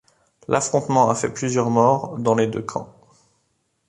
L'affrontement a fait plusieurs morts dans les deux camps.